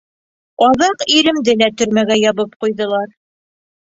Аҙаҡ иремде лә төрмәгә ябып ҡуйҙылар.